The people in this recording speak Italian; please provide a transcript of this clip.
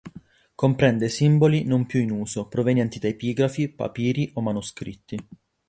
Comprende simboli non più in uso, provenienti da epigrafi, papiri o manoscritti.